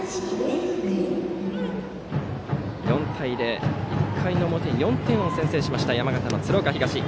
４対０と、１回表に４点先制した山形の鶴岡東。